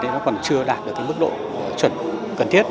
thì nó còn chưa đạt được cái mức độ chuẩn cần thiết